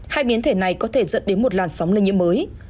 hai biến thể này có thể dẫn đến một làn sóng lây nhiễm mới